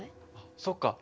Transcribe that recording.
そっか。